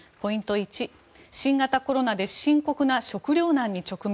１、新型コロナで深刻な食糧難に直面。